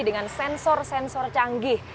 dengan sensor sensor canggih